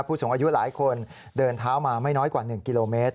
ผู้สูงอายุหลายคนเดินเท้ามาไม่น้อยกว่า๑กิโลเมตร